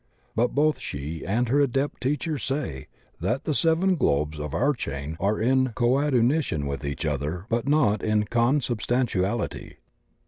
But both she and her Adept teachers say that the seven globes of our chain are in ''coadunition with each other but not in consubstantiality."